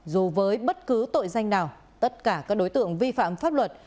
dù với bất cứ tội danh nào tất cả các đối tượng vi phạm pháp luật